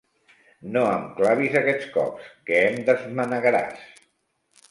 No em clavis aquests cops, que em desmanegaràs.